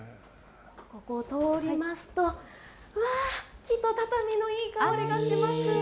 ここを通りますと、わあ木と畳みのいい香りがします。